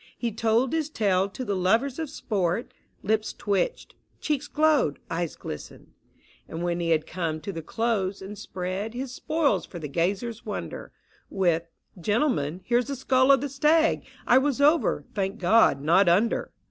He told his tale to the lovers of Sport : Lips twitched, cheeks glowed, eyes glistened. DONALD. 89 And when he had conic to tin* close, and spread His spoils for the gazers' wonder, With kw Gentlemen, here's the skull of fche : I was over, thank God, not under!"